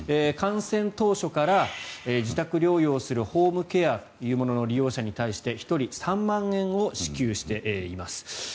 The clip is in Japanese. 感染当初から自宅療養するホームケアというものの利用者に対して１人３万円を支給しています。